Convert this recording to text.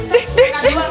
dih dih dih